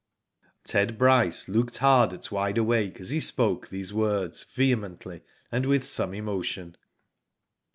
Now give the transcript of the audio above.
'' Ted Bryce looked hard at Wide Awake as he spoke these words vehemently and with some emotion.